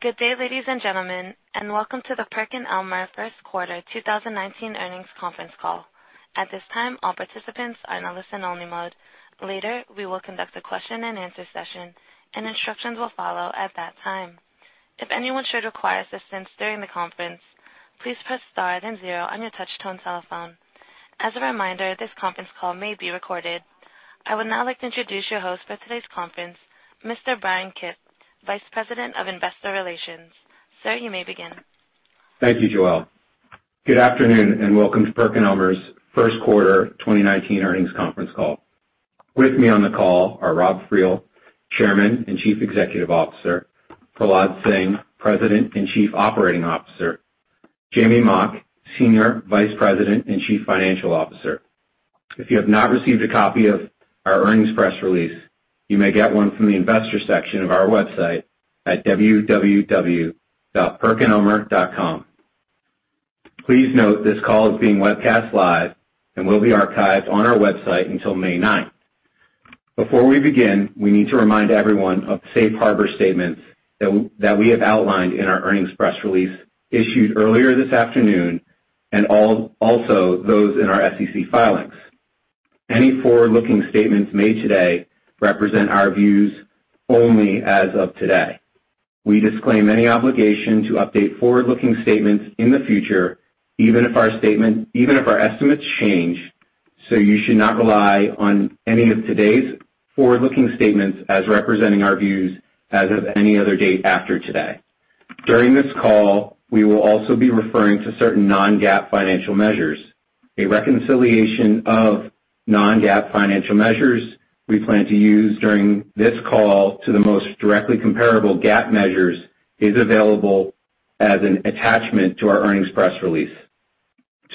Good day, ladies and gentlemen, and welcome to the PerkinElmer First Quarter 2019 Earnings Conference Call. At this time, all participants are in a listen-only mode. Later, we will conduct a question and answer session, and instructions will follow at that time. If anyone should require assistance during the conference, please press star then zero on your touch-tone cell phone. As a reminder, this conference call may be recorded. I would now like to introduce your host for today's conference, Mr. Bryan Kipp, Vice President of Investor Relations. Sir, you may begin. Thank you, Joel. Good afternoon, and welcome to PerkinElmer's first quarter 2019 earnings conference call. With me on the call are Rob Friel, Chairman and Chief Executive Officer, Prahlad Singh, President and Chief Operating Officer, Jamey Mock, Senior Vice President and Chief Financial Officer. If you have not received a copy of our earnings press release, you may get one from the investor section of our website at www.perkinelmer.com. Please note this call is being webcast live and will be archived on our website until May ninth. Before we begin, we need to remind everyone of the safe harbor statements that we have outlined in our earnings press release issued earlier this afternoon, and also those in our SEC filings. Any forward-looking statements made today represent our views only as of today. We disclaim any obligation to update forward-looking statements in the future, even if our estimates change, so you should not rely on any of today's forward-looking statements as representing our views as of any other date after today. During this call, we will also be referring to certain non-GAAP financial measures. A reconciliation of non-GAAP financial measures we plan to use during this call to the most directly comparable GAAP measures is available as an attachment to our earnings press release.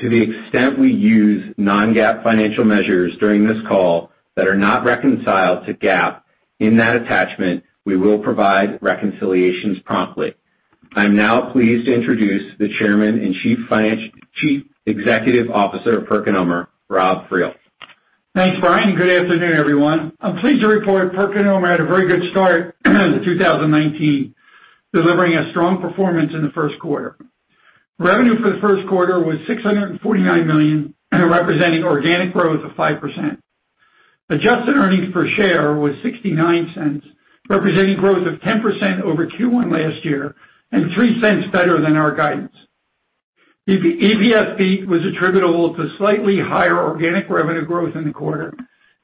To the extent we use non-GAAP financial measures during this call that are not reconciled to GAAP in that attachment, we will provide reconciliations promptly. I'm now pleased to introduce the Chairman and Chief Executive Officer of PerkinElmer, Rob Friel. Thanks, Bryan. Good afternoon, everyone. I'm pleased to report PerkinElmer had a very good start to 2019, delivering a strong performance in the first quarter. Revenue for the first quarter was $649 million, representing organic growth of 5%. Adjusted earnings per share was $0.69, representing growth of 10% over Q1 last year, and $0.03 better than our guidance. The EPS beat was attributable to slightly higher organic revenue growth in the quarter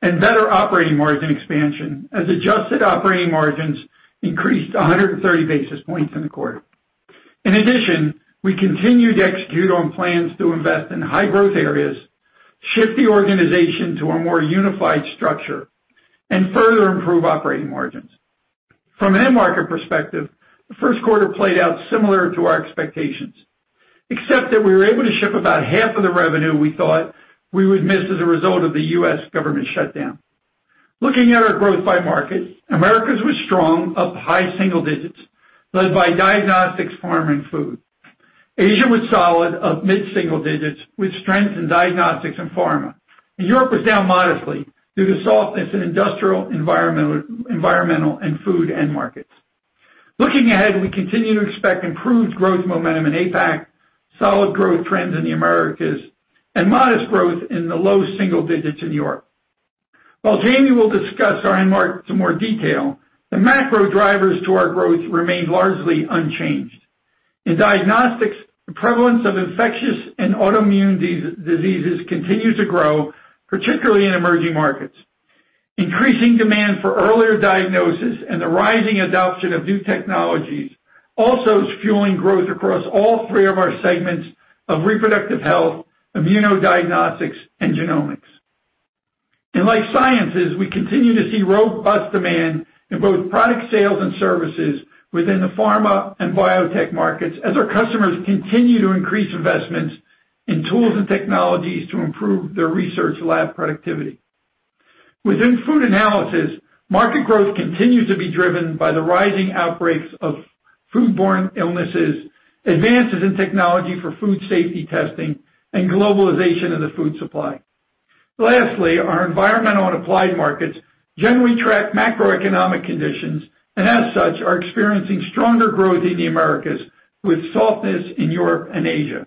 and better operating margin expansion, as adjusted operating margins increased 130 basis points in the quarter. In addition, we continued to execute on plans to invest in high-growth areas, shift the organization to a more unified structure, and further improve operating margins. From an end market perspective, the first quarter played out similar to our expectations, except that we were able to ship about half of the revenue we thought we would miss as a result of the U.S. government shutdown. Looking at our growth by market, Americas was strong, up high single digits, led by diagnostics, pharma, and food. Asia was solid, up mid-single digits, with strength in diagnostics and pharma. Europe was down modestly due to softness in industrial, environmental, and food end markets. Looking ahead, we continue to expect improved growth momentum in APAC, solid growth trends in the Americas, and modest growth in the low single digits in Europe. While Jamey will discuss our end market in some more detail, the macro drivers to our growth remained largely unchanged. In diagnostics, the prevalence of infectious and autoimmune diseases continue to grow, particularly in emerging markets. Increasing demand for earlier diagnosis and the rising adoption of new technologies also is fueling growth across all three of our segments of reproductive health, immunodiagnostics, and genomics. In life sciences, we continue to see robust demand in both product sales and services within the pharma and biotech markets as our customers continue to increase investments in tools and technologies to improve their research lab productivity. Within food analysis, market growth continues to be driven by the rising outbreaks of foodborne illnesses, advances in technology for food safety testing, and globalization of the food supply. Lastly, our environmental and applied markets generally track macroeconomic conditions, and as such, are experiencing stronger growth in the Americas with softness in Europe and Asia.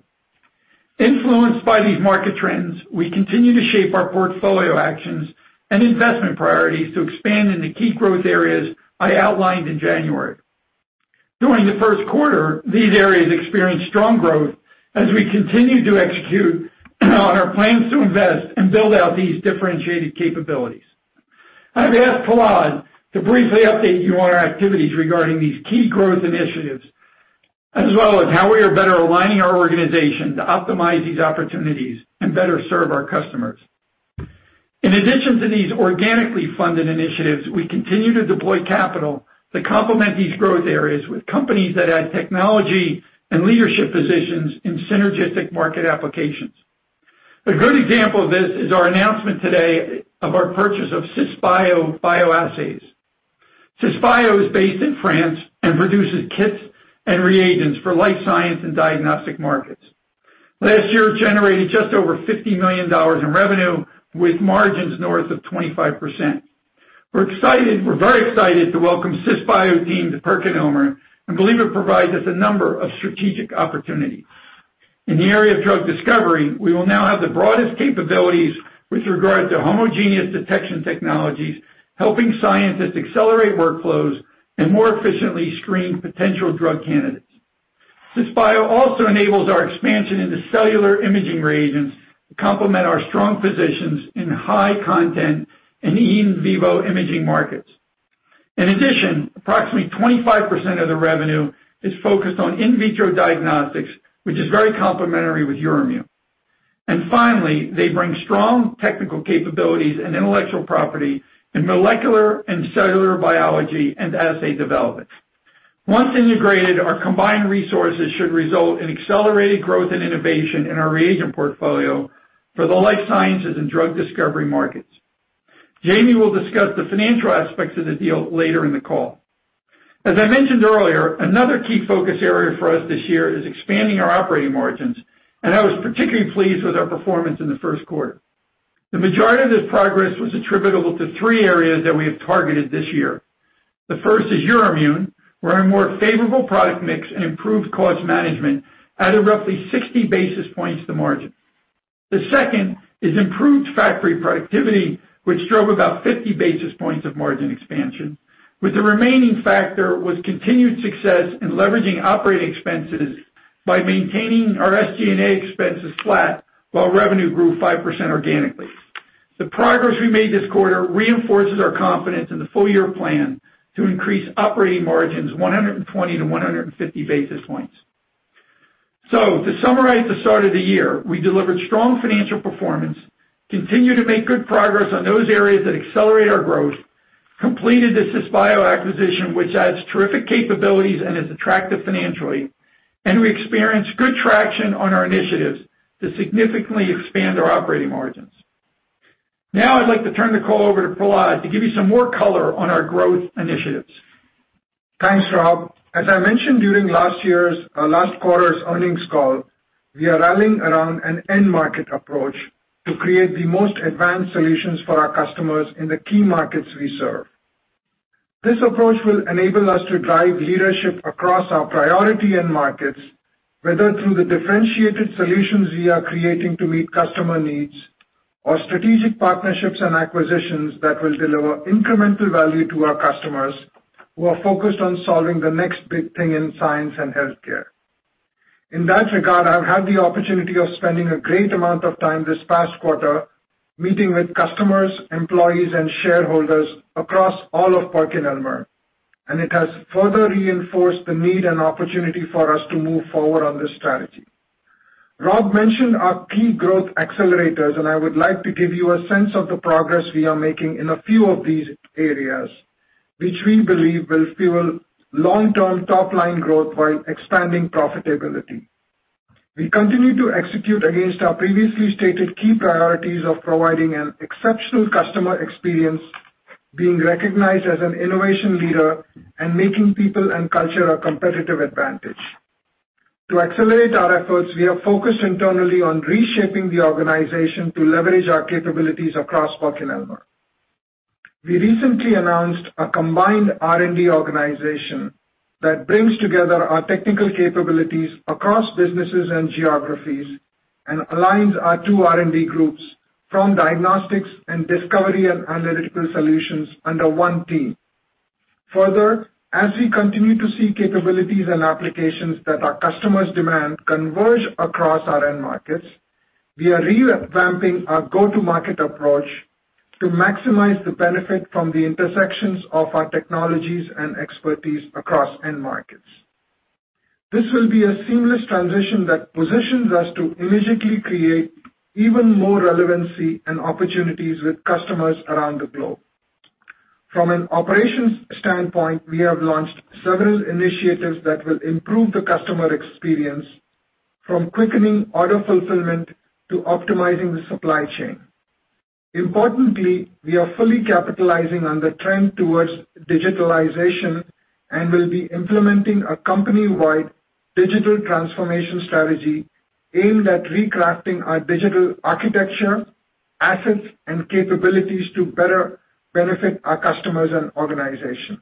Influenced by these market trends, we continue to shape our portfolio actions and investment priorities to expand into key growth areas I outlined in January. During the first quarter, these areas experienced strong growth as we continued to execute on our plans to invest and build out these differentiated capabilities. I've asked Prahlad to briefly update you on our activities regarding these key growth initiatives, as well as how we are better aligning our organization to optimize these opportunities and better serve our customers. In addition to these organically funded initiatives, we continue to deploy capital to complement these growth areas with companies that add technology and leadership positions in synergistic market applications. A good example of this is our announcement today of our purchase of Cisbio Bioassays. Cisbio is based in France and produces kits and reagents for life science and diagnostic markets. Last year generated just over $50 million in revenue, with margins north of 25%. We're very excited to welcome Cisbio team to PerkinElmer and believe it provides us a number of strategic opportunities. In the area of drug discovery, we will now have the broadest capabilities with regard to homogeneous detection technologies, helping scientists accelerate workflows and more efficiently screen potential drug candidates. Cisbio also enables our expansion into cellular imaging reagents to complement our strong positions in high content and in vivo imaging markets. In addition, approximately 25% of the revenue is focused on in vitro diagnostics, which is very complementary with Euroimmun. Finally, they bring strong technical capabilities and intellectual property in molecular and cellular biology and assay development. Once integrated, our combined resources should result in accelerated growth and innovation in our reagent portfolio for the life sciences and drug discovery markets. Jamey will discuss the financial aspects of the deal later in the call. As I mentioned earlier, another key focus area for us this year is expanding our operating margins, and I was particularly pleased with our performance in the first quarter. The majority of this progress was attributable to three areas that we have targeted this year. The first is Euroimmun, where a more favorable product mix and improved cost management added roughly 60 basis points to margin. The second is improved factory productivity, which drove about 50 basis points of margin expansion, with the remaining factor was continued success in leveraging operating expenses by maintaining our SG&A expenses flat while revenue grew 5% organically. The progress we made this quarter reinforces our confidence in the full year plan to increase operating margins 120 to 150 basis points. To summarize the start of the year, we delivered strong financial performance, continued to make good progress on those areas that accelerate our growth, completed the Cisbio acquisition, which adds terrific capabilities and is attractive financially, and we experienced good traction on our initiatives to significantly expand our operating margins. Now I'd like to turn the call over to Prahlad to give you some more color on our growth initiatives. Thanks, Rob. As I mentioned during last quarter's earnings call, we are rallying around an end market approach to create the most advanced solutions for our customers in the key markets we serve. This approach will enable us to drive leadership across our priority end markets, whether through the differentiated solutions we are creating to meet customer needs, or strategic partnerships and acquisitions that will deliver incremental value to our customers, who are focused on solving the next big thing in science and healthcare. In that regard, I've had the opportunity of spending a great amount of time this past quarter meeting with customers, employees, and shareholders across all of PerkinElmer, and it has further reinforced the need and opportunity for us to move forward on this strategy. Rob mentioned our key growth accelerators, I would like to give you a sense of the progress we are making in a few of these areas, which we believe will fuel long-term top-line growth while expanding profitability. We continue to execute against our previously stated key priorities of providing an exceptional customer experience, being recognized as an innovation leader, and making people and culture a competitive advantage. To accelerate our efforts, we are focused internally on reshaping the organization to leverage our capabilities across PerkinElmer. We recently announced a combined R&D organization that brings together our technical capabilities across businesses and geographies and aligns our two R&D groups from diagnostics and discovery and analytical solutions under one team. Further, as we continue to see capabilities and applications that our customers demand converge across our end markets, we are revamping our go-to-market approach to maximize the benefit from the intersections of our technologies and expertise across end markets. This will be a seamless transition that positions us to immediately create even more relevancy and opportunities with customers around the globe. From an operations standpoint, we have launched several initiatives that will improve the customer experience, from quickening order fulfillment to optimizing the supply chain. Importantly, we are fully capitalizing on the trend towards digitalization and will be implementing a company-wide digital transformation strategy aimed at recrafting our digital architecture, assets, and capabilities to better benefit our customers and organization.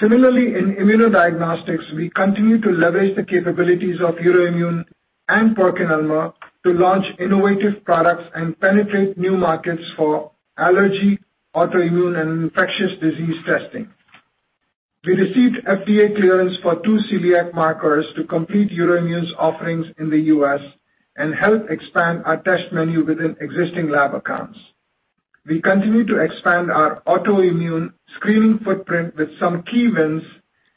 Similarly, in immunodiagnostics, we continue to leverage the capabilities of Euroimmun and PerkinElmer to launch innovative products and penetrate new markets for allergy, autoimmune, and infectious disease testing. We received FDA clearance for two celiac markers to complete Euroimmun's offerings in the U.S. and help expand our test menu within existing lab accounts. We continue to expand our autoimmune screening footprint with some key wins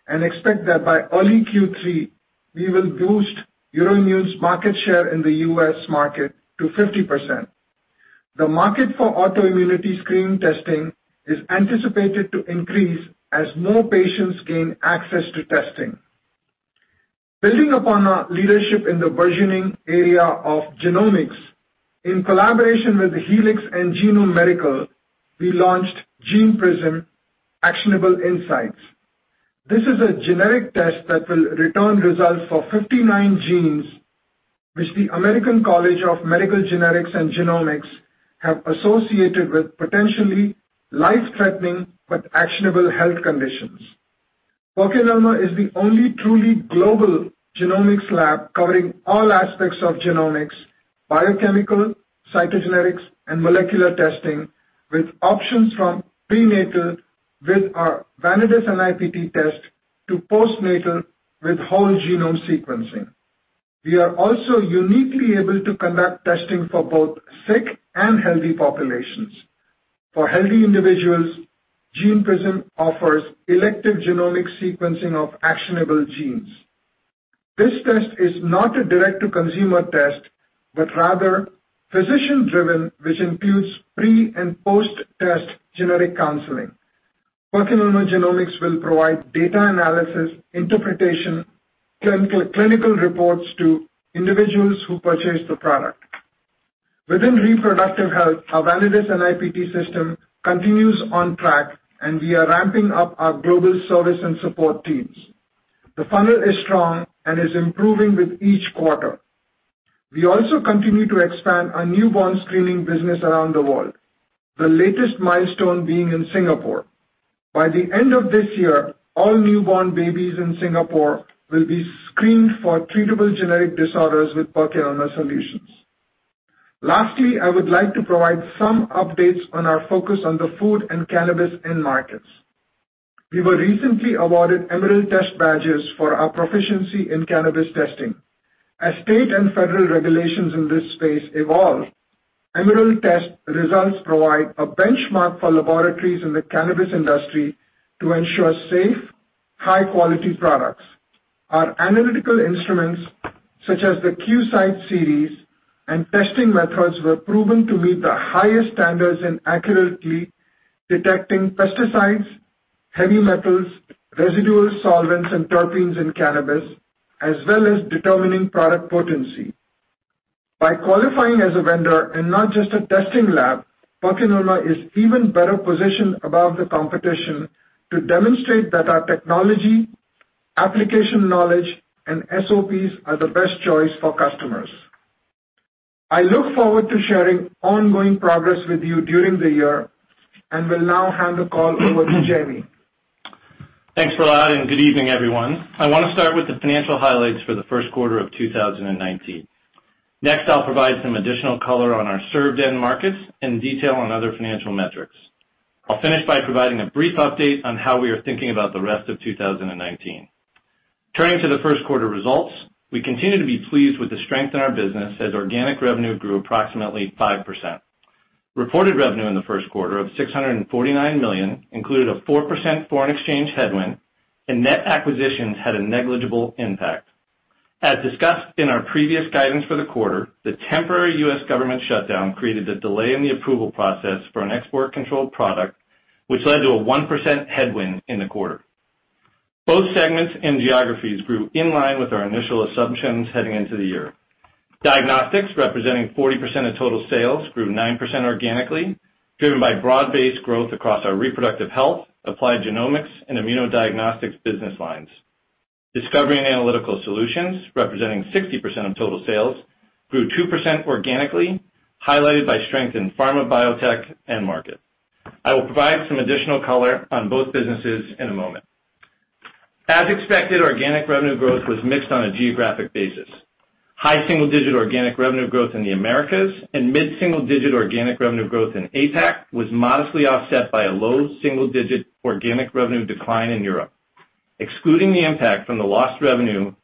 and expect that by early Q3, we will boost Euroimmun's market share in the U.S. market to 50%. The market for autoimmunity screening testing is anticipated to increase as more patients gain access to testing. Building upon our leadership in the burgeoning area of genomics, in collaboration with Helix and Genome Medical, we launched GenePrism: Actionable Insights. This is a generic test that will return results for 59 genes, which the American College of Medical Genetics and Genomics have associated with potentially life-threatening but actionable health conditions. PerkinElmer Genomics is the only truly global genomics lab covering all aspects of genomics, biochemical, cytogenetics, and molecular testing with options from prenatal with our Vanadis NIPT test to postnatal with whole genome sequencing. We are also uniquely able to conduct testing for both sick and healthy populations. For healthy individuals, GenePrism offers elective genomic sequencing of actionable genes. This test is not a direct-to-consumer test, but rather physician-driven, which includes pre- and post-test genetic counseling. PerkinElmer Genomics will provide data analysis, interpretation, clinical reports to individuals who purchase the product. Within reproductive health, our Vanadis NIPT system continues on track, and we are ramping up our global service and support teams. The funnel is strong and is improving with each quarter. We also continue to expand our newborn screening business around the world, the latest milestone being in Singapore. By the end of this year, all newborn babies in Singapore will be screened for treatable genetic disorders with PerkinElmer Genomics solutions. Lastly, I would like to provide some updates on our focus on the food and cannabis end markets. We were recently awarded Emerald Test badges for our proficiency in cannabis testing. As state and federal regulations in this space evolve, Emerald Test results provide a benchmark for laboratories in the cannabis industry to ensure safe, high-quality products. Our analytical instruments, such as the QSight series and testing methods were proven to meet the highest standards in accurately detecting pesticides, heavy metals, residual solvents, and terpenes in cannabis, as well as determining product potency. By qualifying as a vendor and not just a testing lab, PerkinElmer is even better positioned above the competition to demonstrate that our technology, application knowledge, and SOPs are the best choice for customers. I look forward to sharing ongoing progress with you during the year and will now hand the call over to Jeremy. Thanks, Prahlad, and good evening, everyone. I want to start with the financial highlights for the first quarter of 2019. Next, I'll provide some additional color on our served end markets and detail on other financial metrics. I'll finish by providing a brief update on how we are thinking about the rest of 2019. Turning to the first quarter results, we continue to be pleased with the strength in our business as organic revenue grew approximately 5%. Reported revenue in the first quarter of $649 million included a 4% foreign exchange headwind. Net acquisitions had a negligible impact. As discussed in our previous guidance for the quarter, the temporary U.S. government shutdown created a delay in the approval process for an export control product, which led to a 1% headwind in the quarter. Both segments and geographies grew in line with our initial assumptions heading into the year. Diagnostics, representing 40% of total sales, grew 9% organically, driven by broad-based growth across our reproductive health, applied genomics and immunodiagnostics business lines. Discovery and analytical solutions, representing 60% of total sales, grew 2% organically, highlighted by strength in pharma, biotech, and market. I will provide some additional color on both businesses in a moment. As expected, organic revenue growth was mixed on a geographic basis. High single-digit organic revenue growth in the Americas. Mid-single-digit organic revenue growth in APAC was modestly offset by a low single-digit organic revenue decline in Europe. Excluding the impact from the lost revenue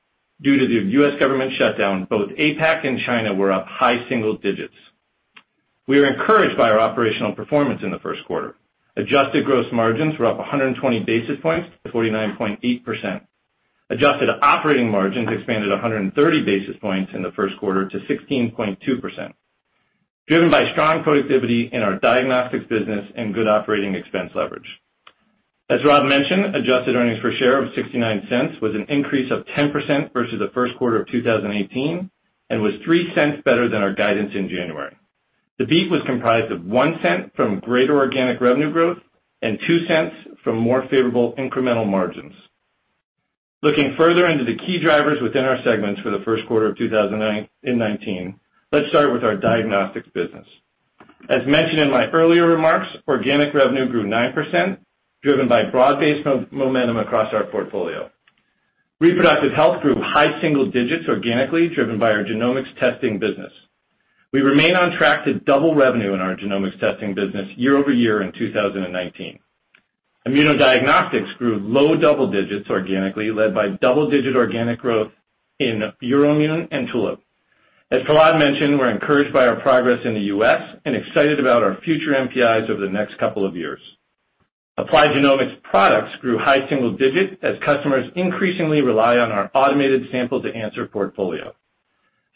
due to the U.S. government shutdown, both APAC and China were up high single digits. We are encouraged by our operational performance in the first quarter. Adjusted gross margins were up 120 basis points to 49.8%. Adjusted operating margins expanded 130 basis points in the first quarter to 16.2%, driven by strong productivity in our diagnostics business and good operating expense leverage. As Rob mentioned, adjusted earnings per share of $0.69 was an increase of 10% versus the first quarter of 2018 and was $0.03 better than our guidance in January. The beat was comprised of $0.01 from greater organic revenue growth and $0.02 from more favorable incremental margins. Looking further into the key drivers within our segments for the first quarter of 2019, let's start with our diagnostics business. As mentioned in my earlier remarks, organic revenue grew 9%, driven by broad-based momentum across our portfolio. Reproductive health grew high single digits organically, driven by our genomics testing business. We remain on track to double revenue in our genomics testing business year-over-year in 2019. Immunodiagnostics grew low double digits organically, led by double-digit organic growth in Euroimmun and Tulip. As Prahlad mentioned, we're encouraged by our progress in the U.S. and excited about our future NPIs over the next couple of years. Applied genomics products grew high single digits as customers increasingly rely on our automated sample-to-answer portfolio.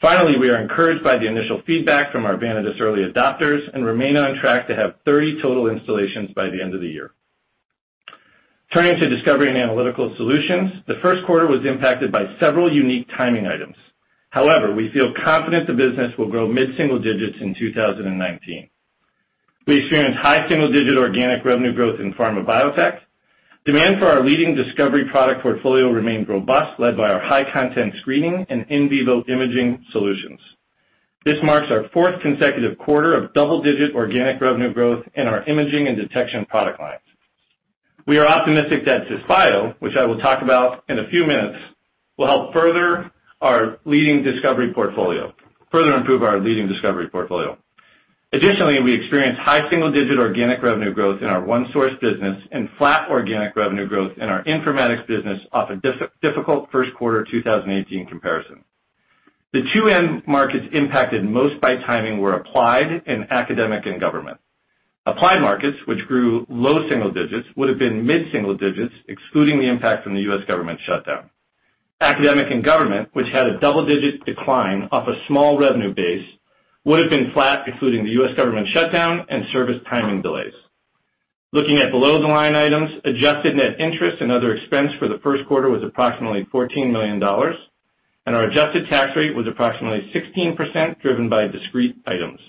Finally, we are encouraged by the initial feedback from our Vanadis early adopters and remain on track to have 30 total installations by the end of the year. Turning to discovery and analytical solutions, the first quarter was impacted by several unique timing items. We feel confident the business will grow mid-single digits in 2019. We experienced high single-digit organic revenue growth in pharma biotech. Demand for our leading discovery product portfolio remained robust, led by our high-content screening and in vivo imaging solutions. This marks our fourth consecutive quarter of double-digit organic revenue growth in our imaging and detection product lines. We are optimistic that Cisbio, which I will talk about in a few minutes, will help further improve our leading discovery portfolio. Additionally, we experienced high single-digit organic revenue growth in our OneSource business and flat organic revenue growth in our informatics business off a difficult first quarter 2018 comparison. The two end markets impacted most by timing were applied and academic and government. Applied markets, which grew low single digits, would have been mid-single digits, excluding the impact from the U.S. government shutdown. Academic and government, which had a double-digit decline off a small revenue base, would have been flat excluding the U.S. government shutdown and service timing delays. Looking at below-the-line items, adjusted net interest and other expense for the first quarter was approximately $14 million, and our adjusted tax rate was approximately 16%, driven by discrete items.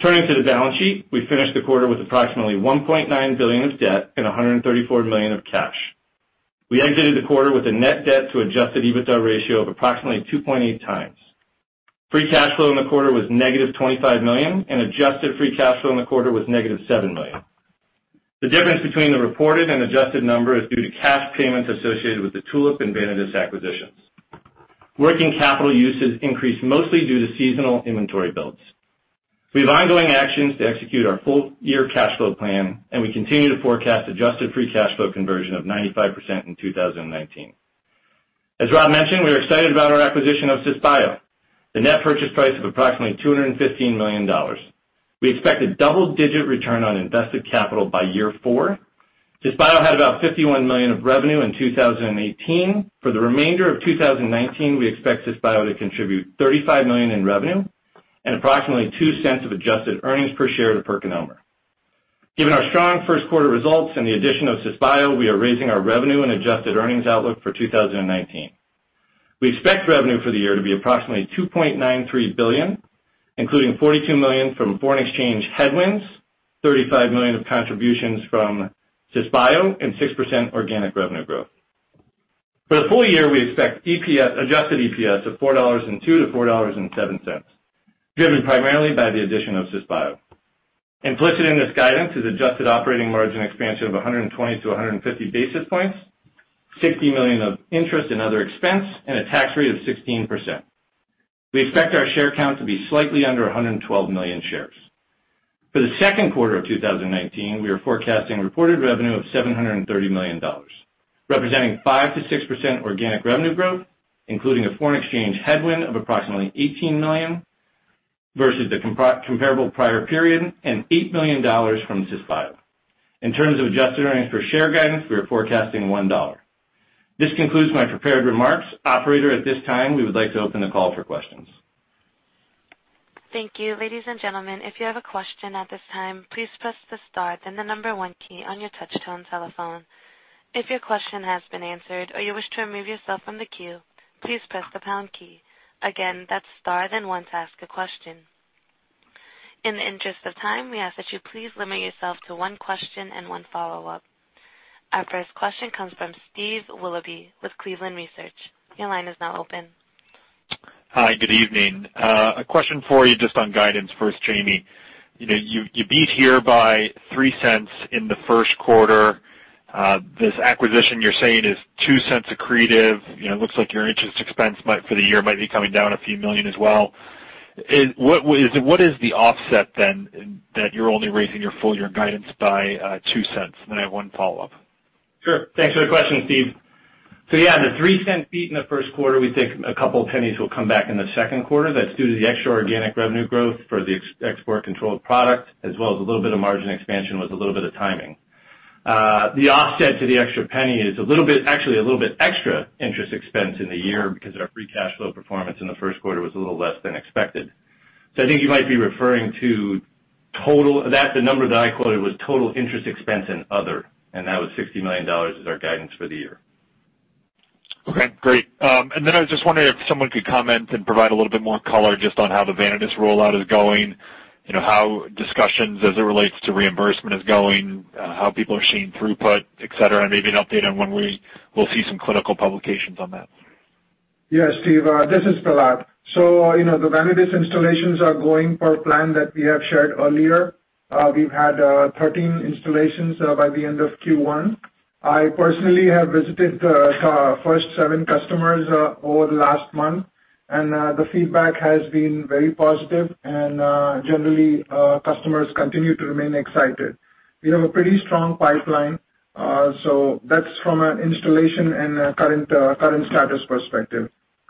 Turning to the balance sheet, we finished the quarter with approximately $1.9 billion of debt and $134 million of cash. We exited the quarter with a net debt to adjusted EBITDA ratio of approximately 2.8 times. Free cash flow in the quarter was negative $25 million and adjusted free cash flow in the quarter was negative $7 million. The difference between the reported and adjusted number is due to cash payments associated with the Tulip and Vanadis acquisitions. Working capital usage increased mostly due to seasonal inventory builds. We have ongoing actions to execute our full-year cash flow plan. We continue to forecast adjusted free cash flow conversion of 95% in 2019. As Rob mentioned, we are excited about our acquisition of Cisbio, the net purchase price of approximately $215 million. We expect a double-digit return on invested capital by year four. Cisbio had about $51 million of revenue in 2018. For the remainder of 2019, we expect Cisbio to contribute $35 million in revenue and approximately $0.02 of adjusted earnings per share to PerkinElmer. Given our strong first quarter results and the addition of Cisbio, we are raising our revenue and adjusted earnings outlook for 2019. We expect revenue for the year to be approximately $2.93 billion, including $42 million from foreign exchange headwinds, $35 million of contributions from Cisbio, and 6% organic revenue growth. For the full year, we expect adjusted EPS of $4.02 to $4.07, driven primarily by the addition of Cisbio. Implicit in this guidance is adjusted operating margin expansion of 120-150 basis points, $60 million of interest and other expense, and a tax rate of 16%. We expect our share count to be slightly under 112 million shares. For the second quarter of 2019, we are forecasting reported revenue of $730 million, representing 5%-6% organic revenue growth, including a foreign exchange headwind of approximately $18 million versus the comparable prior period and $8 million from Cisbio. In terms of adjusted earnings per share guidance, we are forecasting $1. This concludes my prepared remarks. Operator, at this time, we would like to open the call for questions. Thank you. Ladies and gentlemen, if you have a question at this time, please press the star, then the number 1 key on your touch-tone telephone. If your question has been answered or you wish to remove yourself from the queue, please press the pound key. Again, that's star then one to ask a question. In the interest of time, we ask that you please limit yourself to one question and one follow-up. Our first question comes from Steve Willoughby with Cleveland Research. Your line is now open. Hi, good evening. A question for you just on guidance first, Jamey. You beat here by $0.03 in the first quarter. This acquisition you're saying is $0.02 accretive. It looks like your interest expense for the year might be coming down a few million as well. What is the offset that you're only raising your full-year guidance by $0.02? I have one follow-up. Sure. Thanks for the question, Steve. Yeah, the $0.03 beat in the first quarter, we think $0.02 will come back in the second quarter. That's due to the extra organic revenue growth for the export-controlled product, as well as a little bit of margin expansion with a little bit of timing. The offset to the extra $0.01 is actually a little bit extra interest expense in the year because our free cash flow performance in the first quarter was a little less than expected. I think you might be referring to the number that I quoted was total interest expense and other, and that was $60 million is our guidance for the year. Okay, great. I was just wondering if someone could comment and provide a little bit more color just on how the Vanadis rollout is going, how discussions as it relates to reimbursement is going, how people are seeing throughput, et cetera, and maybe an update on when we will see some clinical publications on that. Yeah, Steve, this is Prahlad. The Vanadis installations are going per plan that we have shared earlier. We've had 13 installations by the end of Q1. I personally have visited the first seven customers over the last month, and the feedback has been very positive, and generally, customers continue to remain excited. We have a pretty strong pipeline. That's from an installation and a current status perspective.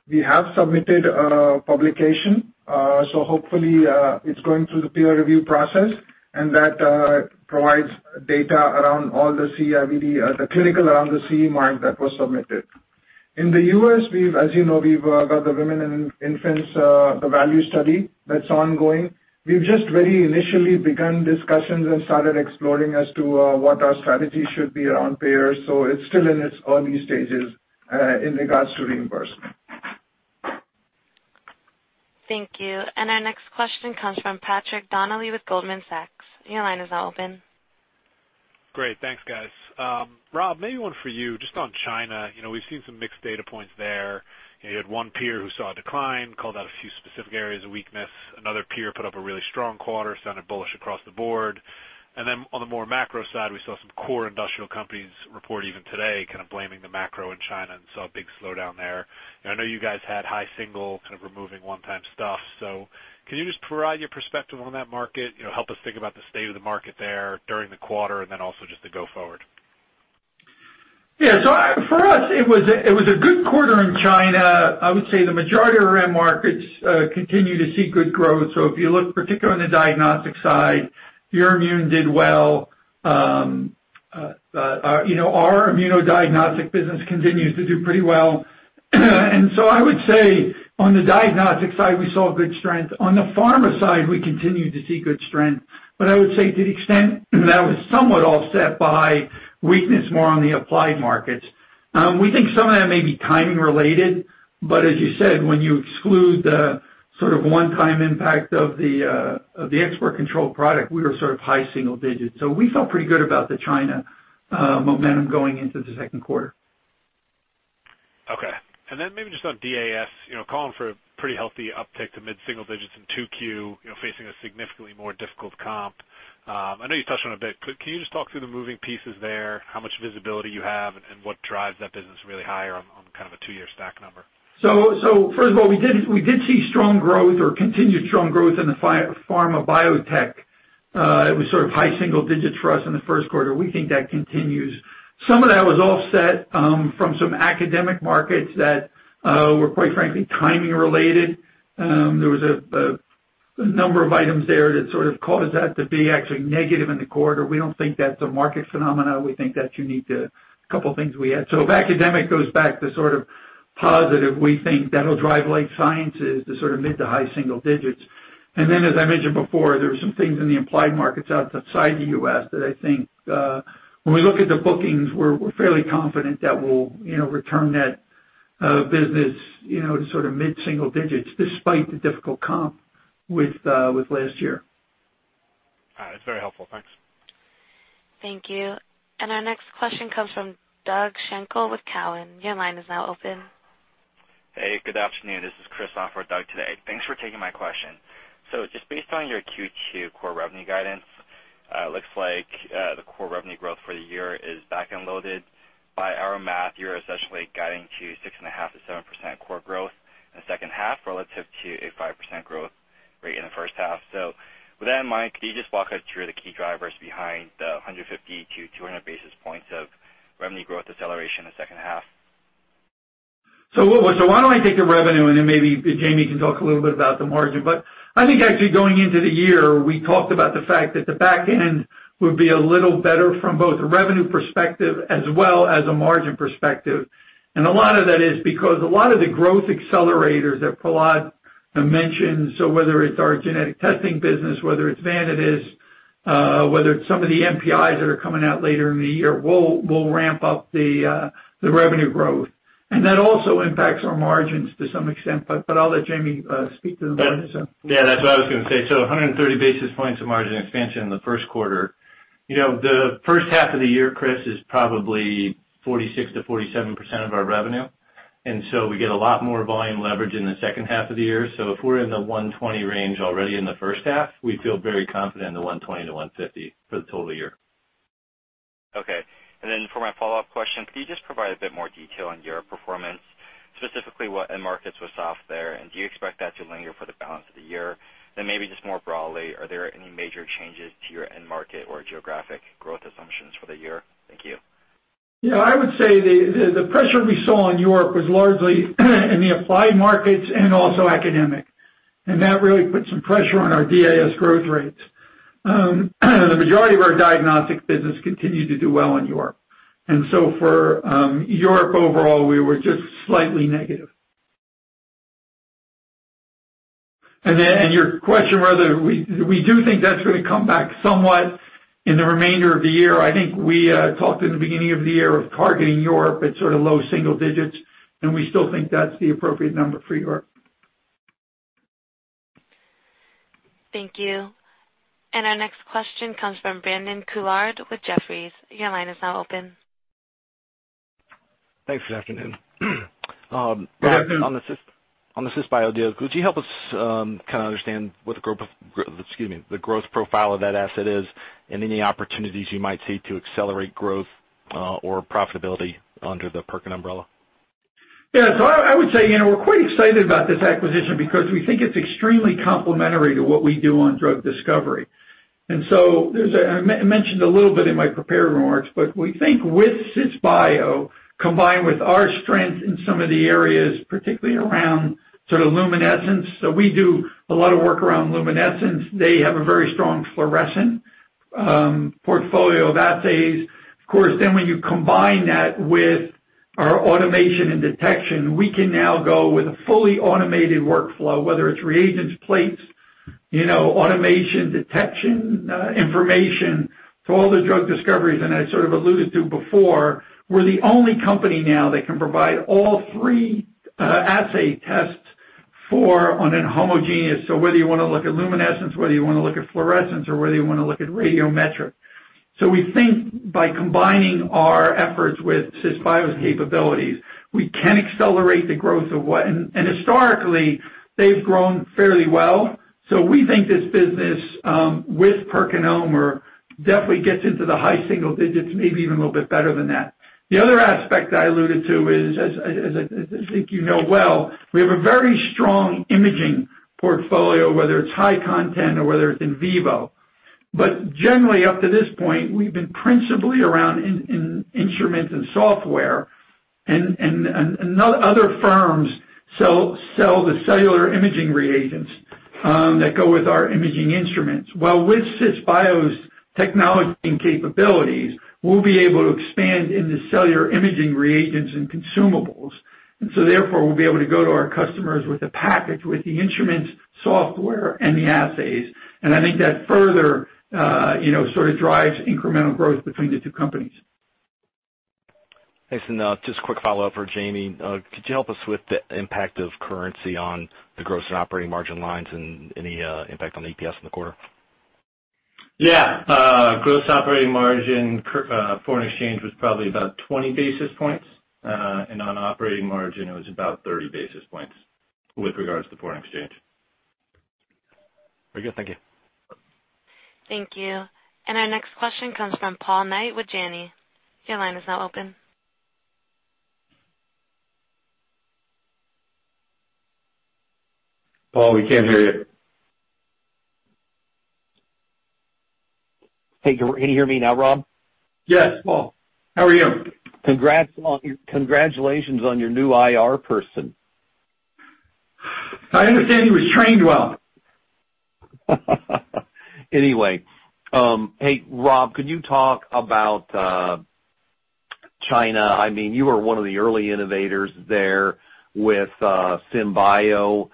We have submitted a publication. Hopefully, it's going through the peer review process, and that provides data around all the clinical around the CE mark that was submitted. In the U.S., as you know, we've got the Women & Infants, the VALUE study that's ongoing. We've just very initially begun discussions and started exploring as to what our strategy should be around payers. It's still in its early stages in regards to reimbursement. Thank you. Our next question comes from Patrick Donnelly with Goldman Sachs. Your line is now open. Great. Thanks, guys. Rob, maybe one for you just on China. We've seen some mixed data points there. You had one peer who saw a decline, called out a few specific areas of weakness. Another peer put up a really strong quarter, sounded bullish across the board. On the more macro side, we saw some core industrial companies report even today, kind of blaming the macro in China and saw a big slowdown there. I know you guys had high single kind of removing one-time stuff. Can you just provide your perspective on that market, help us think about the state of the market there during the quarter and then also just the go forward? Yeah. For us, it was a good quarter in China. I would say the majority of our end markets continue to see good growth. If you look particularly on the diagnostic side, Euroimmun did well. Our immunodiagnostic business continues to do pretty well. I would say on the diagnostic side, we saw good strength. On the pharma side, we continue to see good strength. I would say to the extent that was somewhat offset by weakness more on the applied markets. We think some of that may be timing related, but as you said, when you exclude the sort of one-time impact of the export control product, we were sort of high single digits. We felt pretty good about the China momentum going into the second quarter. Okay. Maybe just on DAS, calling for a pretty healthy uptick to mid-single digits in 2Q, facing a significantly more difficult comp. I know you touched on it a bit. Can you just talk through the moving pieces there, how much visibility you have, and what drives that business really higher on, kind of, a two-year stack number? First of all, we did see strong growth or continued strong growth in the pharma biotech. It was sort of high single digits for us in the first quarter. We think that continues. Some of that was offset from some academic markets that were, quite frankly, timing related. There was a number of items there that sort of caused that to be actually negative in the quarter. We don't think that's a market phenomenon. We think that's unique to a couple of things we had. If academic goes back to sort of positive, we think that'll drive life sciences to sort of mid to high single digits. As I mentioned before, there are some things in the applied markets outside the U.S. that I think, when we look at the bookings, we're fairly confident that we'll return that business to mid-single digits despite the difficult comp with last year. All right. That's very helpful. Thanks. Thank you. Our next question comes from Doug Schenkel with Cowen. Your line is now open. Hey, good afternoon. This is Chris on for Doug today. Thanks for taking my question. Just based on your Q2 core revenue guidance, it looks like the core revenue growth for the year is back-end loaded. By our math, you're essentially guiding to 6.5%-7% core growth in the second half relative to a 5% growth rate in the first half. With that in mind, can you just walk us through the key drivers behind the 150-200 basis points of revenue growth acceleration in the second half? Why don't I take the revenue, then maybe Jamey can talk a little bit about the margin. I think actually going into the year, we talked about the fact that the back end would be a little better from both a revenue perspective as well as a margin perspective. A lot of that is because a lot of the growth accelerators that Prahlad mentioned, whether it's our genetic testing business, whether it's Vanadis, whether it's some of the NPIs that are coming out later in the year, will ramp up the revenue growth. That also impacts our margins to some extent, but I'll let Jamey speak to the margin stuff. That's what I was going to say. 130 basis points of margin expansion in the first quarter. The first half of the year, Chris, is probably 46% to 47% of our revenue. We get a lot more volume leverage in the second half of the year. If we're in the 120 range already in the first half, we feel very confident in the 120 to 150 for the total year. Okay. For my follow-up question, could you just provide a bit more detail on your performance, specifically what end markets were soft there? Do you expect that to linger for the balance of the year? Maybe just more broadly, are there any major changes to your end market or geographic growth assumptions for the year? Thank you. Yeah, I would say the pressure we saw in Europe was largely in the applied markets and also academic. That really put some pressure on our DAS growth rates. The majority of our diagnostic business continued to do well in Europe. For Europe overall, we were just slightly negative. Your question whether we do think that's going to come back somewhat in the remainder of the year, I think we talked in the beginning of the year of targeting Europe at sort of low single digits. We still think that's the appropriate number for Europe. Thank you. Our next question comes from Brandon Couillard with Jefferies. Your line is now open. Thanks. Good afternoon. Rob, on the Cisbio deal, could you help us kind of understand what the growth profile of that asset is and any opportunities you might see to accelerate growth or profitability under the PerkinElmer umbrella? Yeah. I would say we're quite excited about this acquisition because we think it's extremely complementary to what we do on drug discovery. I mentioned a little bit in my prepared remarks, but we think with Cisbio, combined with our strength in some of the areas, particularly around sort of luminescence. We do a lot of work around luminescence. They have a very strong fluorescent portfolio of assays. Of course, when you combine that with our automation and detection, we can now go with a fully automated workflow, whether it's reagents, plates. Automation detection information for all the drug discoveries, and I sort of alluded to before, we're the only company now that can provide all three assay tests on an homogeneous. Whether you want to look at luminescence, whether you want to look at fluorescence, or whether you want to look at radiometric. We think by combining our efforts with Cisbio's capabilities, we can accelerate. Historically, they've grown fairly well. We think this business, with PerkinElmer, definitely gets into the high single digits, maybe even a little bit better than that. The other aspect I alluded to is, as I think you know well, we have a very strong imaging portfolio, whether it's high content or whether it's in vivo. Generally, up to this point, we've been principally around in instruments and software, and other firms sell the cellular imaging reagents that go with our imaging instruments. With Cisbio's technology and capabilities, we'll be able to expand in the cellular imaging reagents and consumables, therefore, we'll be able to go to our customers with a package with the instruments, software, and the assays. I think that further drives incremental growth between the two companies. Thanks. Just a quick follow-up for Jamey. Could you help us with the impact of currency on the gross and operating margin lines and any impact on the EPS in the quarter? Yeah. Gross operating margin, foreign exchange was probably about 20 basis points, and on operating margin, it was about 30 basis points with regards to foreign exchange. Very good. Thank you. Thank you. Our next question comes from Paul Knight with Janney. Your line is now open. Paul, we can't hear you. Hey, can you hear me now, Rob? Yes, Paul. How are you? Congratulations on your new IR person. I understand he was trained well. Anyway. Hey, Rob, can you talk about China? You were one of the early innovators there with Symbio.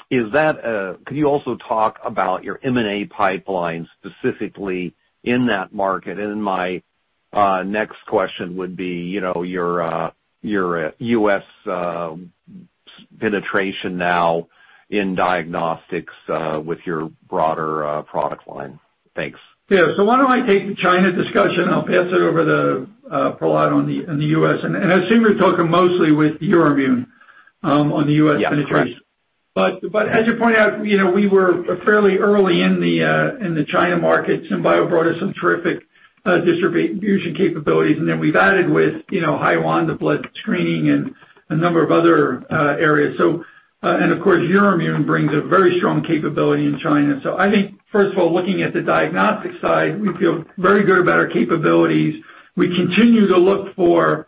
Could you also talk about your M&A pipeline specifically in that market? My next question would be your U.S. penetration now in diagnostics with your broader product line. Thanks. Yeah. Why don't I take the China discussion, and I'll pass it over to Prahlad on the U.S. I assume you're talking mostly with Euroimmun on the U.S. penetration. Yeah, correct. As you point out, we were fairly early in the China market. Symbio brought us some terrific distribution capabilities, then we've added with Haoyuan, the blood screening, and a number of other areas. Of course, Euroimmun brings a very strong capability in China. I think, first of all, looking at the diagnostic side, we feel very good about our capabilities. We continue to look for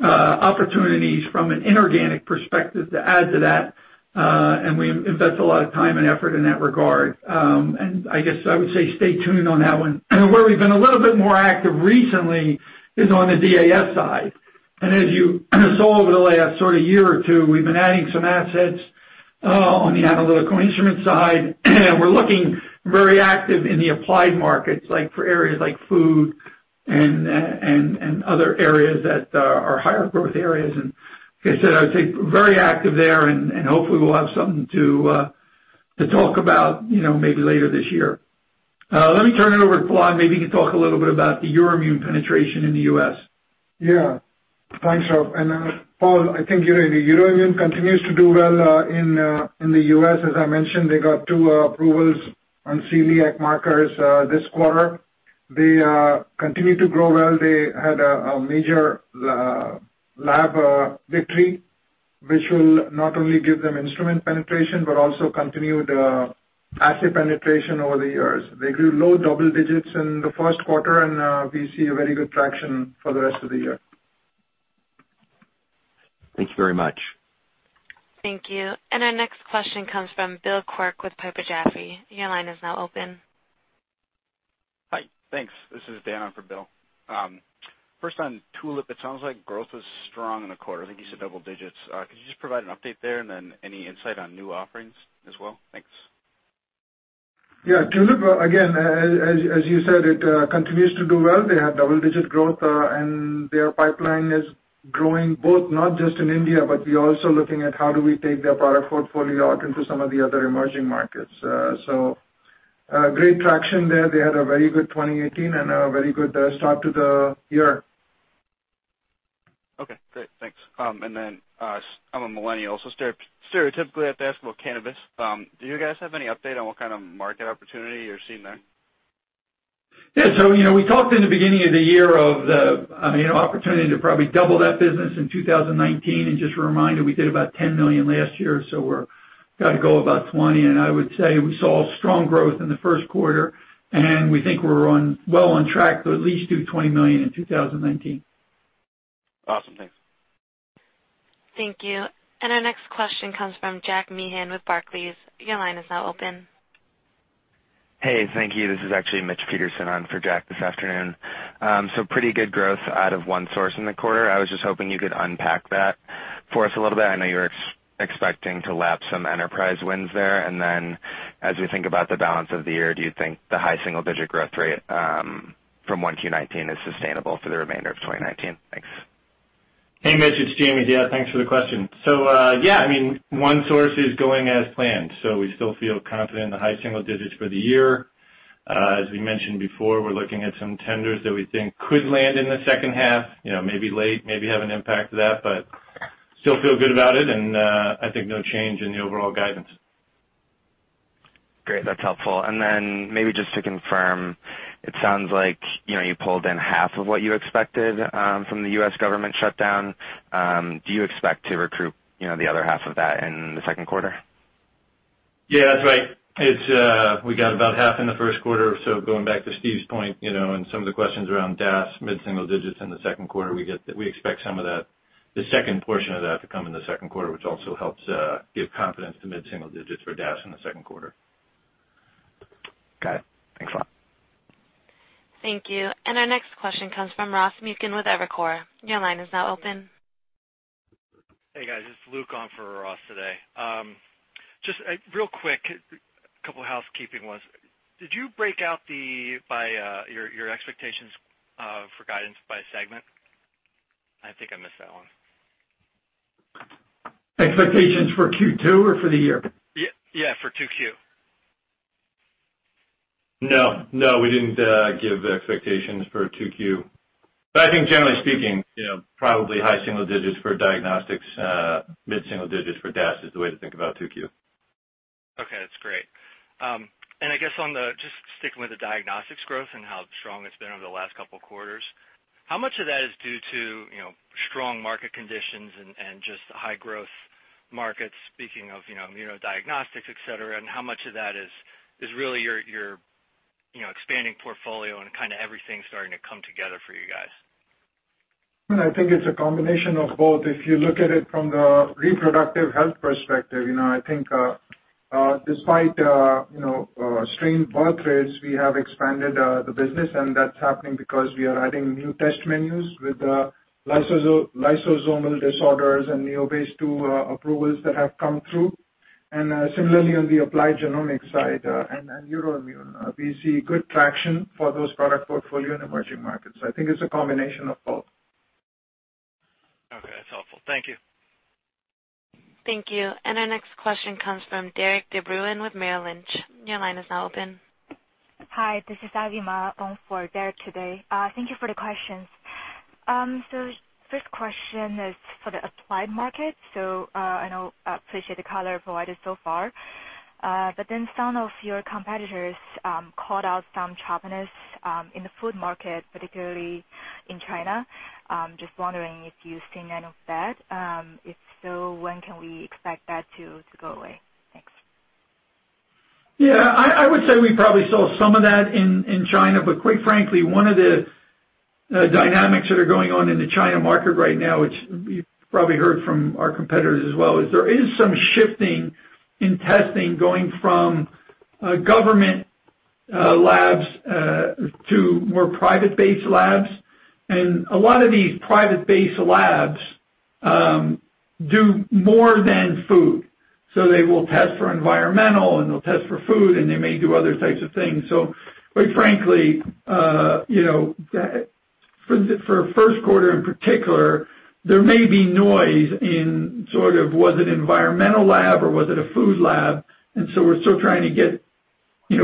opportunities from an inorganic perspective to add to that, and we invest a lot of time and effort in that regard. I guess I would say stay tuned on that one. Where we've been a little bit more active recently is on the DAS side. As you saw over the last sort of year or two, we've been adding some assets on the analytical instrument side, and we're looking very active in the applied markets, like for areas like food and other areas that are higher growth areas. Like I said, I would say we're very active there, and hopefully we'll have something to talk about maybe later this year. Let me turn it over to Prahlad. Maybe you could talk a little bit about the Euroimmun penetration in the U.S. Yeah. Thanks, Rob. Paul, I think you're ready. Euroimmun continues to do well in the U.S. As I mentioned, they got two approvals on celiac markers this quarter. They continue to grow well. They had a major lab victory, which will not only give them instrument penetration but also continued assay penetration over the years. They grew low double digits in the first quarter, we see a very good traction for the rest of the year. Thank you very much. Thank you. Our next question comes from Bill Quirk with Piper Jaffray. Your line is now open. Hi. Thanks. This is Dan on for Bill. First on Tulip, it sounds like growth was strong in the quarter. I think you said double digits. Could you just provide an update there? Then any insight on new offerings as well? Thanks. Yeah. Tulip, again, as you said, it continues to do well. They have double-digit growth, and their pipeline is growing both, not just in India, but we're also looking at how do we take their product portfolio out into some of the other emerging markets. Great traction there. They had a very good 2018 and a very good start to the year. Okay, great. Thanks. Then, I'm a millennial, so stereotypically, I have to ask about cannabis. Do you guys have any update on what kind of market opportunity you're seeing there? Yeah. We talked in the beginning of the year of the opportunity to probably double that business in 2019. Just a reminder, we did about $10 million last year, so we're good to go about $20. I would say we saw strong growth in the first quarter, and we think we're well on track to at least do $20 million in 2019. Awesome. Thanks. Thank you. Our next question comes from Jack Meehan with Barclays. Your line is now open. Hey, thank you. This is actually Mitch Petersen on for Jack this afternoon. Pretty good growth out of OneSource in the quarter. I was just hoping you could unpack that for us a little bit. I know you're expecting to lap some enterprise wins there. As we think about the balance of the year, do you think the high single-digit growth rate from 1Q19 is sustainable for the remainder of 2019? Thanks. Hey, Mitch, it's Jamey. Thanks for the question. OneSource is going as planned. We still feel confident in the high single digits for the year. As we mentioned before, we're looking at some tenders that we think could land in the second half, maybe late, maybe have an impact to that, but still feel good about it, and I think no change in the overall guidance. Great. That's helpful. Maybe just to confirm, it sounds like you pulled in half of what you expected from the U.S. government shutdown. Do you expect to recruit the other half of that in the second quarter? That's right. We got about half in the first quarter. Going back to Steve's point, and some of the questions around DAS, mid-single digits in the second quarter, we expect the second portion of that to come in the second quarter, which also helps give confidence to mid-single digits for DAS in the second quarter. Got it. Thanks a lot. Thank you. Our next question comes from Ross Muken with Evercore. Your line is now open. Hey, guys. It's Luke on for Ross today. Just real quick, couple of housekeeping ones. Did you break out your expectations for guidance by segment? I think I missed that one. Expectations for Q2 or for the year? Yeah, for 2Q. No, we didn't give expectations for 2Q. I think generally speaking, probably high single digits for diagnostics, mid-single digits for DAS is the way to think about 2Q. Okay, that's great. I guess, just sticking with the diagnostics growth and how strong it's been over the last couple of quarters, how much of that is due to strong market conditions and just high growth markets, speaking of immunodiagnostics, et cetera, and how much of that is really your expanding portfolio and kind of everything starting to come together for you guys? I think it's a combination of both. If you look at it from the reproductive health perspective, I think despite strained birthrates, we have expanded the business, and that's happening because we are adding new test menus with lysosomal disorders and NeoBase 2 approvals that have come through. Similarly, on the applied genomics side and neuroimmune, we see good traction for those product portfolio in emerging markets. I think it's a combination of both. Okay. That's helpful. Thank you. Thank you. Our next question comes from Derik De Bruin with Merrill Lynch. Your line is now open. Hi, this is Avima on for Derik today. Thank you for the questions. First question is for the applied market. I know, appreciate the color provided so far. Some of your competitors called out some choppiness in the food market, particularly in China. Just wondering if you've seen any of that. If so, when can we expect that to go away? Thanks. I would say we probably saw some of that in China, quite frankly, one of the dynamics that are going on in the China market right now, which you've probably heard from our competitors as well, is there is some shifting in testing going from government labs to more private-based labs. A lot of these private-based labs do more than food. They will test for environmental, they'll test for food, they may do other types of things. Quite frankly, for first quarter in particular, there may be noise in sort of was it environmental lab or was it a food lab? We're still trying to get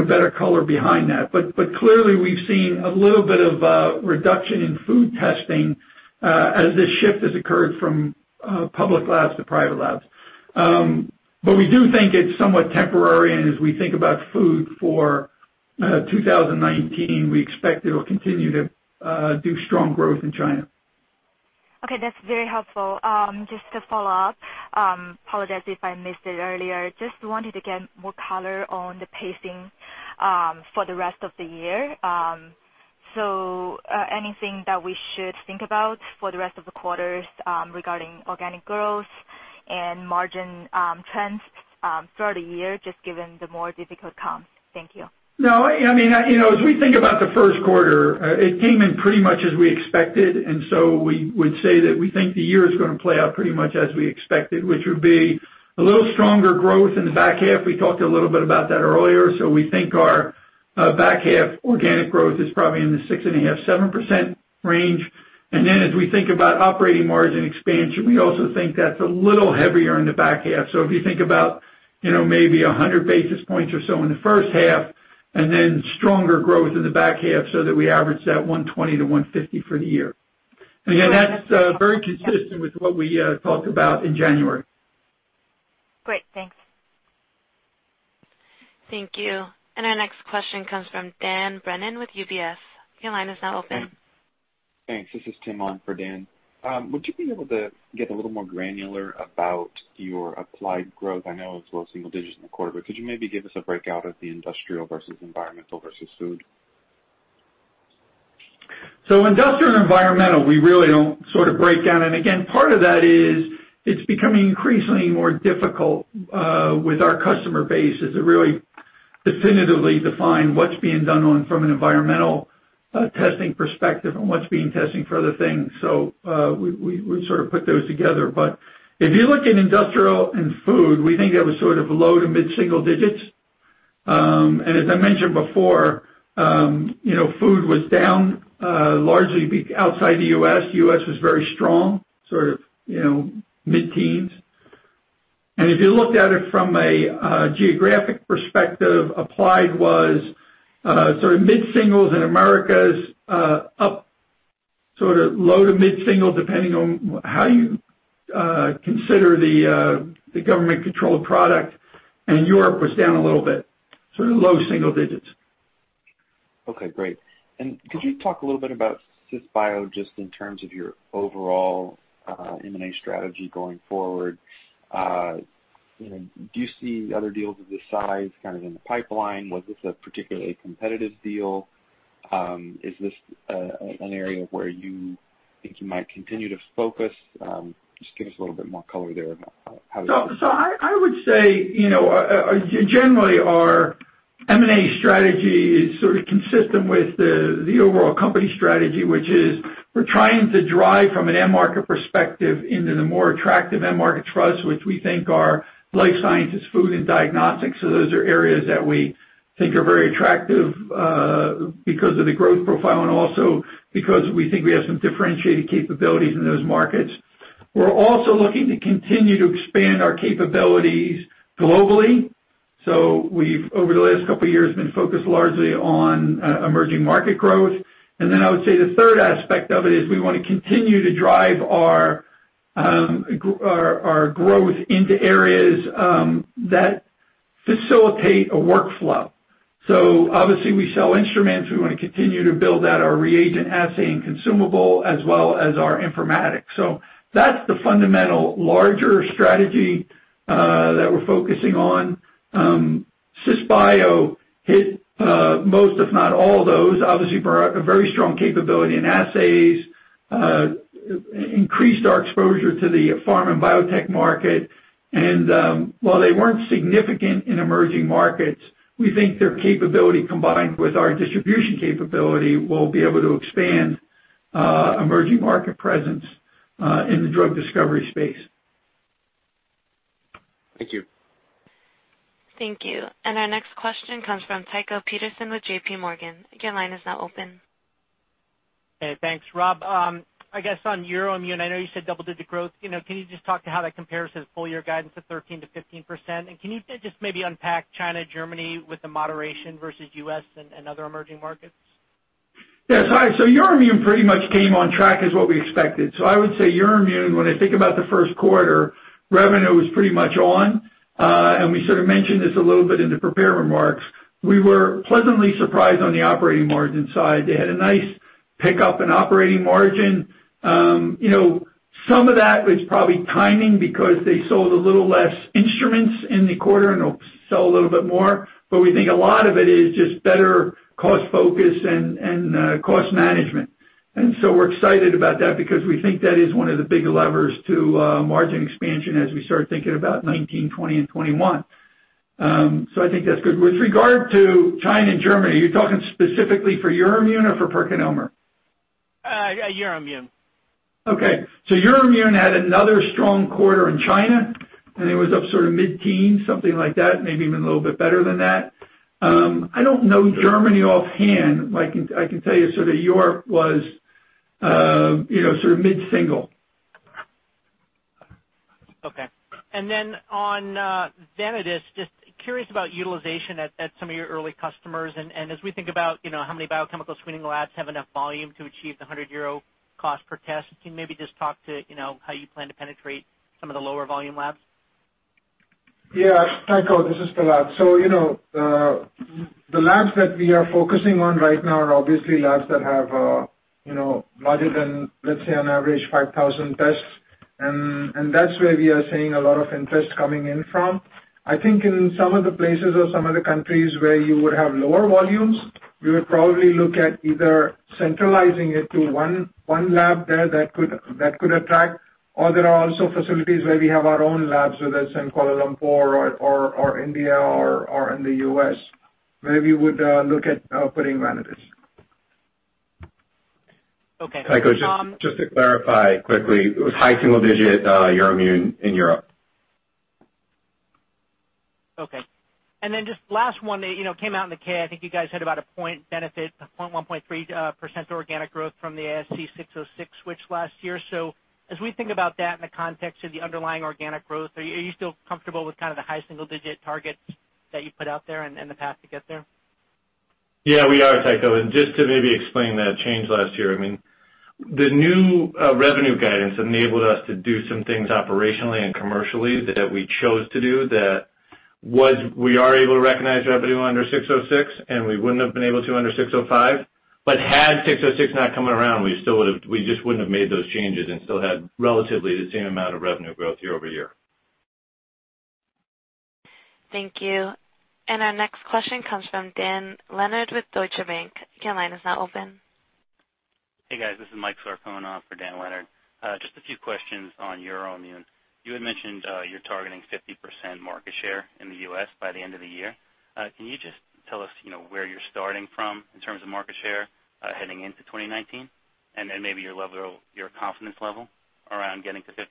better color behind that. Clearly, we've seen a little bit of a reduction in food testing as this shift has occurred from public labs to private labs. We do think it's somewhat temporary, as we think about food for 2019, we expect it'll continue to do strong growth in China. Okay, that's very helpful. Just to follow up, apologize if I missed it earlier, just wanted to get more color on the pacing for the rest of the year. Anything that we should think about for the rest of the quarters regarding organic growth and margin trends throughout the year, just given the more difficult comps? Thank you. No. As we think about the first quarter, it came in pretty much as we expected, we would say that we think the year is going to play out pretty much as we expected, which would be a little stronger growth in the back half. We talked a little bit about that earlier. We think our back half organic growth is probably in the 6.5, 7% range. As we think about operating margin expansion, we also think that's a little heavier in the back half. If you think about maybe 100 basis points or so in the first half, and then stronger growth in the back half so that we average that 120-150 for the year. Again, that's very consistent with what we talked about in January. Great. Thanks. Thank you. Our next question comes from Dan Brennan with UBS. Your line is now open. Thanks. This is Tim on for Dan. Would you be able to get a little more granular about your applied growth? I know it was low single digits in the quarter, could you maybe give us a breakout of the industrial versus environmental versus food? Industrial and environmental, we really don't sort of break down. Again, part of that is, it's becoming increasingly more difficult with our customer base is to really definitively define what's being done on from an environmental testing perspective and what's being testing for other things. We sort of put those together. If you look at industrial and food, we think that was sort of low to mid-single digits. As I mentioned before, food was down, largely outside the U.S. U.S. was very strong, sort of mid-teens. If you looked at it from a geographic perspective, applied was sort of mid-singles and Americas up sort of low to mid-single, depending on how you consider the government-controlled product. Europe was down a little bit, sort of low single digits. Okay, great. Could you talk a little bit about Cisbio just in terms of your overall M&A strategy going forward? Do you see other deals of this size kind of in the pipeline? Was this a particularly competitive deal? Is this an area where you think you might continue to focus? Just give us a little bit more color there about how- I would say, generally our M&A strategy is sort of consistent with the overall company strategy, which is we're trying to drive from an end market perspective into the more attractive end market for us, which we think are life sciences, food, and diagnostics. Those are areas that we think are very attractive, because of the growth profile and also because we think we have some differentiated capabilities in those markets. We're also looking to continue to expand our capabilities globally. We've, over the last couple of years, been focused largely on emerging market growth. Then I would say the third aspect of it is we want to continue to drive our growth into areas that facilitate a workflow. Obviously we sell instruments. We want to continue to build out our reagent assay and consumable as well as our informatics. That's the fundamental larger strategy that we're focusing on. Cisbio hit most, if not all those, obviously, a very strong capability in assays, increased our exposure to the pharma and biotech market. While they weren't significant in emerging markets, we think their capability, combined with our distribution capability, will be able to expand emerging market presence in the drug discovery space. Thank you. Thank you. Our next question comes from Tycho Peterson with JPMorgan. Again, line is now open. Hey, thanks, Rob. I guess on Euroimmun, I know you said double-digit growth. Can you just talk to how that compares to the full-year guidance of 13%-15%? Can you just maybe unpack China, Germany with the moderation versus U.S. and other emerging markets? Yes. Euroimmun pretty much came on track as what we expected. I would say Euroimmun, when I think about the first quarter, revenue was pretty much on. We sort of mentioned this a little bit in the prepared remarks, we were pleasantly surprised on the operating margin side. They had a nice pickup in operating margin. Some of that is probably timing because they sold a little less instruments in the quarter and they'll sell a little bit more. We think a lot of it is just better cost focus and cost management. We're excited about that because we think that is one of the big levers to margin expansion as we start thinking about 2019, 2020, and 2021. I think that's good. With regard to China and Germany, are you talking specifically for Euroimmun or for PerkinElmer? Euroimmun. Okay. Euroimmun had another strong quarter in China, it was up sort of mid-teens, something like that, maybe even a little bit better than that. I don't know Germany offhand. I can tell you sort of Europe was sort of mid-single. Okay. On Vanadis, just curious about utilization at some of your early customers. As we think about how many biochemical screening labs have enough volume to achieve the €100 cost per test, can you maybe just talk to how you plan to penetrate some of the lower volume labs? Yeah. Tycho, this is Talat. The labs that we are focusing on right now are obviously labs that have larger than, let's say, on average 5,000 tests. That's where we are seeing a lot of interest coming in from. I think in some of the places or some of the countries where you would have lower volumes, we would probably look at either centralizing it to one lab there that could attract. There are also facilities where we have our own labs, whether it's in Kuala Lumpur or India or in the U.S., where we would look at putting Vanadis. Okay. Tycho, just to clarify quickly, it was high single digit Euroimmun in Europe. Okay. Just last one. It came out in the K, I think you guys had about a 1.3% organic growth from the ASC 606 switch last year. As we think about that in the context of the underlying organic growth, are you still comfortable with kind of the high single-digit targets that you put out there and the path to get there? Yeah, we are, Tycho. Just to maybe explain that change last year. I mean, the new revenue guidance enabled us to do some things operationally and commercially that we chose to do that we are able to recognize revenue under 606, and we wouldn't have been able to under 605. Had 606 not come around, we just wouldn't have made those changes and still had relatively the same amount of revenue growth year-over-year. Thank you. Our next question comes from Dan Leonard with Deutsche Bank. Your line is now open. Hey, guys. This is Mike Sarcone for Dan Leonard. Just a few questions on Euroimmun. You had mentioned you're targeting 50% market share in the U.S. by the end of the year. Can you just tell us where you're starting from in terms of market share heading into 2019? Then maybe your confidence level around getting to 50%?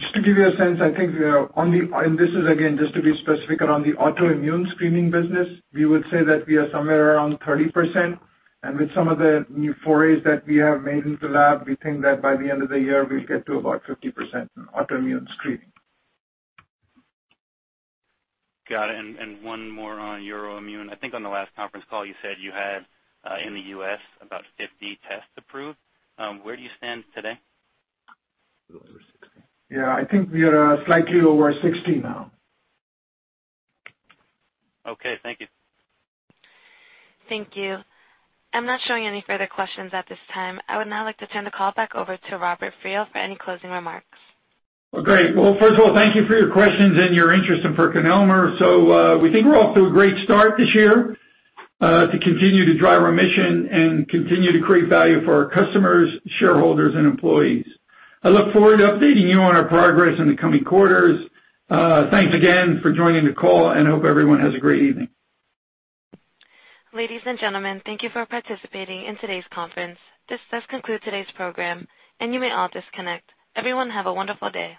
Just to give you a sense, I think around the autoimmune screening business, we would say that we are somewhere around 30%. With some of the new forays that we have made in the lab, we think that by the end of the year, we'll get to about 50% in autoimmune screening. Got it. One more on Euroimmun. I think on the last conference call, you said you had, in the U.S., about 50 tests approved. Where do you stand today? A little over 60. Yeah, I think we are slightly over 60 now. Okay, thank you. Thank you. I'm not showing any further questions at this time. I would now like to turn the call back over to Robert Friel for any closing remarks. Well, great. Well, first of all, thank you for your questions and your interest in PerkinElmer. We think we're off to a great start this year, to continue to drive our mission and continue to create value for our customers, shareholders, and employees. I look forward to updating you on our progress in the coming quarters. Thanks again for joining the call, and hope everyone has a great evening. Ladies and gentlemen, thank you for participating in today's conference. This does conclude today's program. You may all disconnect. Everyone, have a wonderful day.